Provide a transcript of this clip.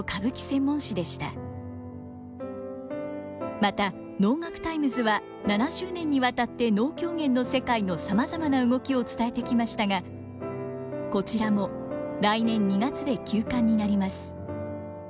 また「能樂タイムズ」は７０年にわたって能狂言の世界のさまざまな動きを伝えてきましたがこちらも来年２月で休刊になります。